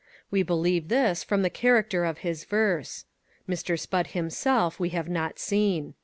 We believe this from the character of his verse. Mr. Spudd himself we have not seen.